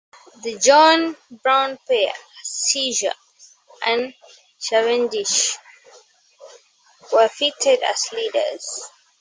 The John Brown pair - "Caesar" and "Cavendish" - were fitted as Leaders.